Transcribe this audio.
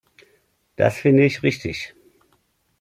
Das finde ich richtig.